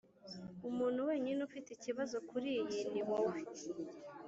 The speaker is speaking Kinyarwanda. umuntu wenyine ufite ikibazo kuriyi niwowe.